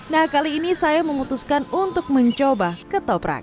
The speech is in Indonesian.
nah kali ini saya memutuskan untuk mencoba ketoprak